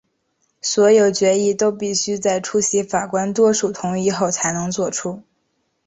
所有决议都必须在出席法官多数同意后才能做出。